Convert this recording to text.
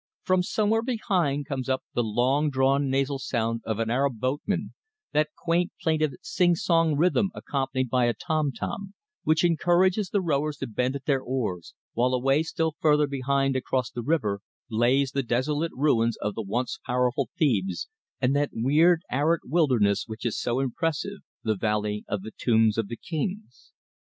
From somewhere behind comes up the long drawn nasal song of an Arab boatman that quaint, plaintive, sing song rhythm accompanied by a tom tom, which encourages the rowers to bend at their oars, while away still further behind across the river, lays the desolate ruins of the once powerful Thebes, and that weird, arid wilderness which is so impressive the Valley of the Tombs of the Kings.